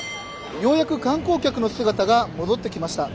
ようやく観光客の姿が戻ってきました。